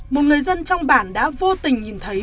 một người dân trong bản đã vô tình nhìn thấy